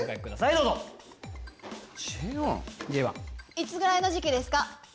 いつぐらいの時期ですか？